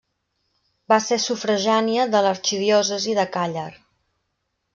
Va ser sufragània de l'arxidiòcesi de Càller.